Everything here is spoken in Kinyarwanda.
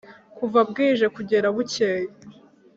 kuva bwije kugera bukeye